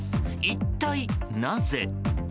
一体なぜ？